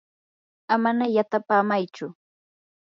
amana yatapamaychu.